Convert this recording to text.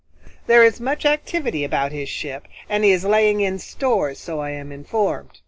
There is much activity about his ship, and he is laying in stores, so I am informed.